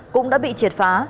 cũng đã bị triệt phá